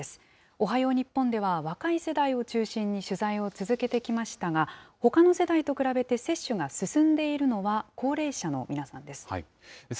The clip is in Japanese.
おはよう日本では、若い世代を中心に取材を続けてきましたが、ほかの世代と比べて接種が進んでいるのは高齢者の皆さんです。